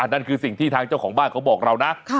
นั่นคือสิ่งที่ทางเจ้าของบ้านเขาบอกเรานะ